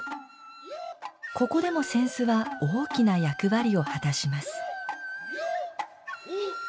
ここでも扇子は大きな役割を果たします。